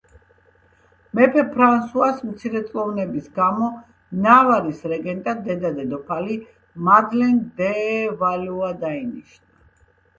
მეფე ფრანსუას მცირეწლოვანების გამო, ნავარის რეგენტად დედა-დედოფალი მადლენ დე ვალუა დაინიშნა.